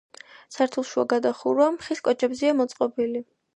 სართულშუა გადახურვა ხის კოჭებზეა მოწყობილი.